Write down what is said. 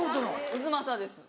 太秦です。